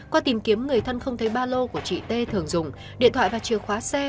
qua tìm kiếm người thân không thấy ba lô của chị t thường dùng điện thoại và chìa khóa xe